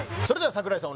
櫻井さん